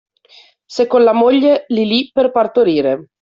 Se con la moglie lì lì per partorire